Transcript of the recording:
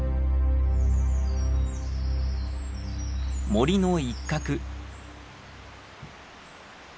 森の一角。